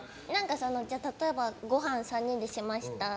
例えば、ごはん３人でしました。